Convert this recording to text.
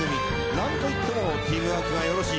なんといってもチームワークがよろしい。